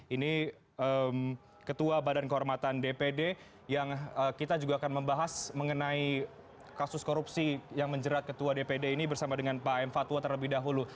ini ketua badan kehormatan dpd yang kita juga akan membahas mengenai kasus korupsi yang menjerat ketua dpd ini bersama dengan pak m fatwa terlebih dahulu